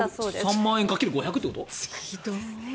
３万円掛ける５００ということ？